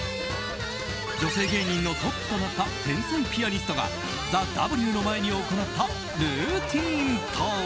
女性芸人のトップとなった天才ピアニストが「ＴＨＥＷ」の前に行ったルーチンとは？